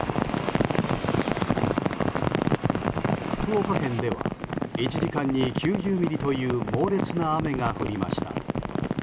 福岡県では１時間に９０ミリという猛烈な雨が降りました。